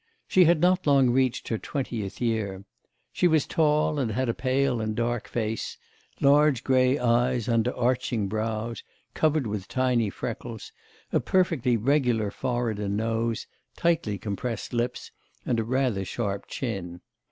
She had not long reached her twentieth year. She was tall, and had a pale and dark face, large grey eyes under arching brows, covered with tiny freckles, a perfectly regular forehead and nose, tightly compressed lips, and a rather sharp chin.